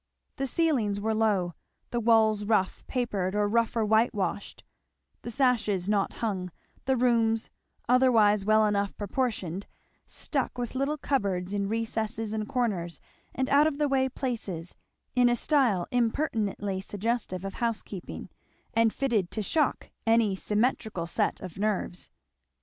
The ceilings were low; the walls rough papered or rougher white washed; the sashes not hung; the rooms, otherwise well enough proportioned, stuck with little cupboards, in recesses and corners and out of the way places, in a style impertinently suggestive of housekeeping, and fitted to shock any symmetrical set of nerves.